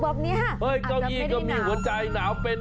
เก้าอี้ก็มีหัวใจนาวเป็น